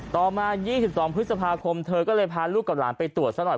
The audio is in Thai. ต่อมา๒๒พฤษภาคมเธอก็เลยพาลูกกับหลานไปตรวจซะหน่อย